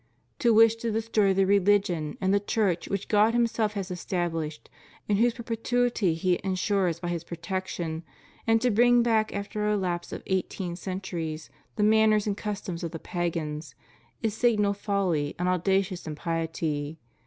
To wish to destroy the religion and the Church which God Himself has estabhshed, and whose perpetuity He insures by His protection, and to bring back after a lapse of eighteen centuries the manners and customs of the pagans, is signal folly and audacious impiety.